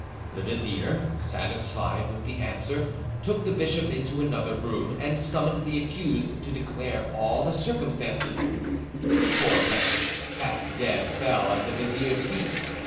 The vizier, satisfied with the answer, took the bishop into another room, and summoned the accused to declare all the circumstances: the poor wretches, half dead, fell at the vizier's feet.